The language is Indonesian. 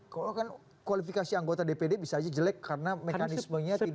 kalau kan kualifikasi anggota dpd bisa aja jelek karena mekanismenya tidak